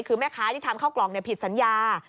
คือแม่ค้าที่ทำเข้ากล่องผิดสัญญา